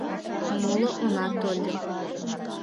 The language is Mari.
Моло уна тольо.